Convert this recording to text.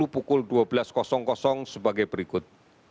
pukul dua belas sebagai berikut